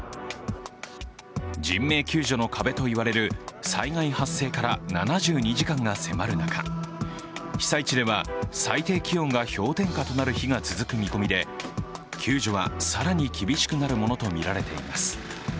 人命救助の壁といわれる災害発生から７２時間が迫る中被災地では最低気温が氷点下となる日が続く見込みで、救助は更に厳しくなるものとみられています。